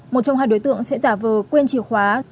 một trong hai đối tượng sẽ giả vờ quên chìa khóa